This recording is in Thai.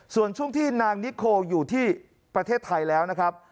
ส่วนช่วงที่นางนิโคอยู่ที่ประเทศไทยแล้วนะครับ